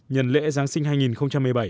nhận lễ giáng sinh hai nghìn một mươi bảy